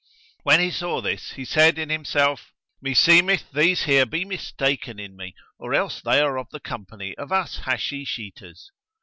When he saw this, he said in himself, "Meseemeth these here be mistaken in me; or else they are of the company of us Hashish eaters."